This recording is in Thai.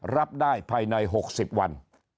รับได้ภายใน๖๐วัน